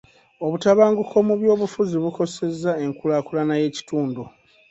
Obutabanguko mu byobufuzi bukosezza enkulaakulana y'ekitundu.